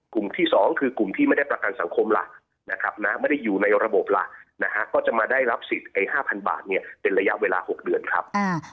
กลุ่มที่๒คือกลุ่มที่ไม่ได้ประกันสังคมล่ะนะครับไม่ได้อยู่ในระบบล่ะนะฮะก็จะมาได้รับสิทธิ์๕๐๐บาทเนี่ยเป็นระยะเวลา๖เดือนครับ